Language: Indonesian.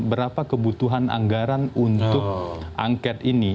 berapa kebutuhan anggaran untuk angket ini